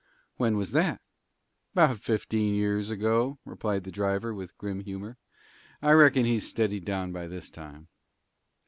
"When was that?" "'Bout fifteen years ago," replied the driver, with grim humor. "I reckon he's steadied down by this time."